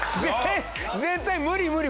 絶対無理無理！